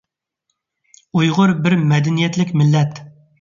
ئۇيغۇر بىر مەدەنىيەتلىك مىللەت.